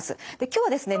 今日はですね